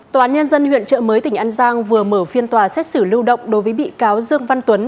tòa án nhân dân huyện trợ mới tỉnh an giang vừa mở phiên tòa xét xử lưu động đối với bị cáo dương văn tuấn